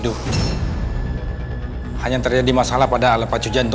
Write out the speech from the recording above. dia bener bener tenang gitu